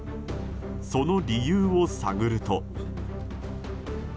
その理由を探ると。